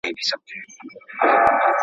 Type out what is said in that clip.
سیند د غاړې تر غاړې ډک بهېږي.